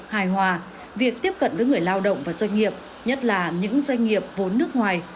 hài hòa việc tiếp cận với người lao động và doanh nghiệp nhất là những doanh nghiệp vốn nước ngoài